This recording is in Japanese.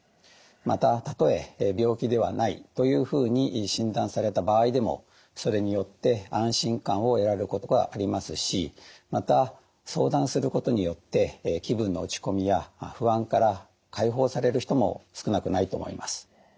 またたとえ病気ではないというふうに診断された場合でもそれによって安心感を得られることがありますしまた相談することによって気分の落ち込みや不安から解放される人も少なくないと思います。